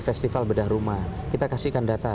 festival bedah rumah kita kasihkan data